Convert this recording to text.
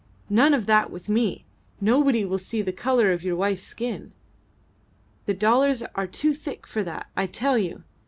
"None of that with me! Nobody will see the colour of your wife's skin. The dollars are too thick for that, I tell you!